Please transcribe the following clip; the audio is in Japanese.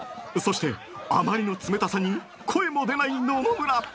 そして、あまりに冷たさに声も出ない野々村。